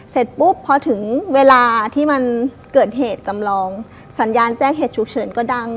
เสร็จปุ๊บพอถึงเวลาที่มันเกิดเหตุจำลองสัญญาณแจ้งเหตุฉุกเฉินก็ดัง